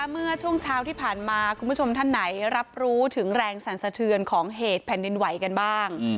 เมื่อช่วงเช้าที่ผ่านมาคุณผู้ชมท่านไหนรับรู้ถึงแรงสั่นสะเทือนของเหตุแผ่นดินไหวกันบ้าง